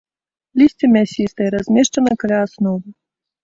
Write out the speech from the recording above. Лісце мясістае, размешчана каля асновы.